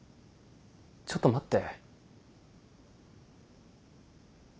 ちょっと待って。